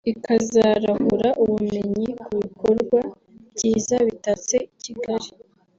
ikazarahura ubumenyi ku bikorwa byiza bitatse Kigali